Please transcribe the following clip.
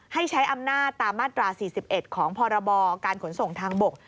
ให้ใช้อำนาจตามมาตรา๔๑ของพรบการขนส่งทางบก